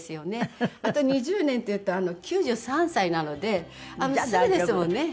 あと２０年っていったら９３歳なのですぐですもんね。